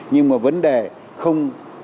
nhưng mà vấn đề không